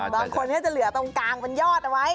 บางคนก็จะเหลือตรงกลางเป็นยอดเอาไว้